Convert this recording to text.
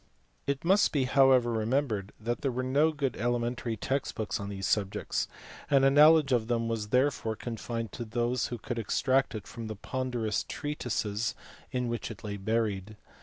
It must be however remembered that there were no good elementary text books on these subjects ; and a knowledge of them was therefore confined to those who could extract it from the ponderous treatises in which it lay buried.